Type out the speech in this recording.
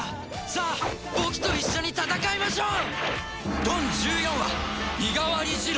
さあ僕と一緒に戦いましょう！